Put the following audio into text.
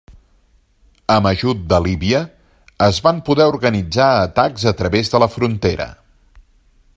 Amb ajut de Líbia es van poder organitzar atacs a través de la frontera.